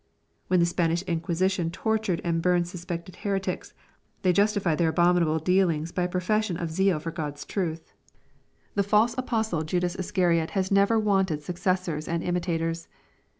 When the Spanish Inquij5iti(m tortured and burned suspected heretics, they justified their abomin* able dealings by a profession of zeal for God's truth. — The 480 EXPOSITORY THOUGHTS. false apostle Judas Iscariot has never wanted successors and imitators.